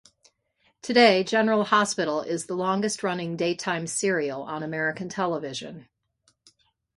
Today, "General Hospital" is the longest-running daytime serial on American television.